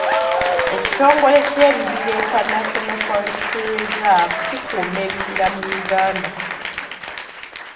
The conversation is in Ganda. Ekitongole ky'ebibira ekya National Forestry Reserve kikuuma ebibira mu Uganda.